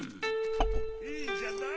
・いいんじゃない？